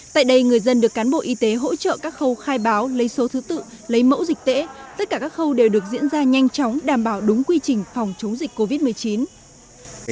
tại đây người dân được cán bộ y tế hỗ trợ các khâu khai báo lấy số thứ tự lấy mẫu dịch tễ tất cả các khâu đều được diễn ra nhanh chóng đảm bảo đúng quy trình phòng chống dịch covid một mươi chín